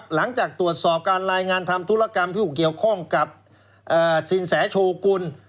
หลังจากตรวจสอบการรายงานทำธุรกรรมผู้เกี่ยวข้องกับสินแสโชกุล